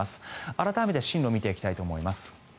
改めて進路を見ていきたいと思います。